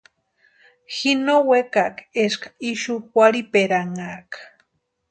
Ji no wekaaka eska ixu warhiperanhaaka.